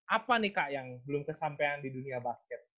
apa nih kak yang belum kesampean di dunia basket